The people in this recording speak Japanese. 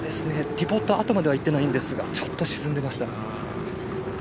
ティポット跡までは行ってないんですがちょっと沈んでました。